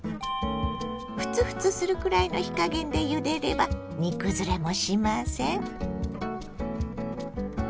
ふつふつするくらいの火加減でゆでれば煮崩れもしません。